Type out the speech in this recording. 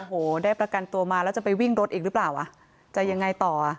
โอ้โหได้ประกันตัวมาแล้วจะไปวิ่งรถอีกหรือเปล่าอ่ะจะยังไงต่ออ่ะ